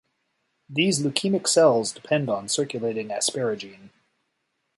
These leukemic cells depend on circulating asparagine.